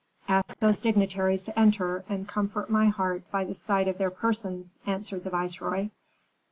"Ask those dignitaries to enter and comfort my heart by the sight of their persons," answered the viceroy.